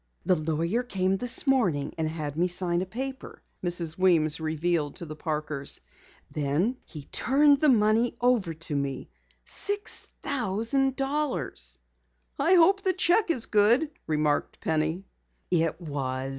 "The lawyer came this morning and had me sign a paper," Mrs. Weems revealed to the Parkers. "Then he turned the money over to me six thousand dollars." "I hope the cheque is good," remarked Penny. "It was.